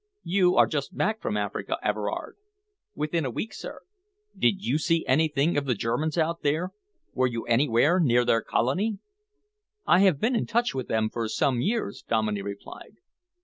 You are just back from Africa, Everard?" "Within a week, sir." "Did you see anything of the Germans out there? Were you anywhere near their Colony?" "I have been in touch with them for some years," Dominey replied.